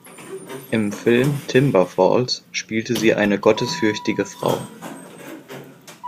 Im Film "Timber Falls" spielte sie eine gottesfürchtige Frau.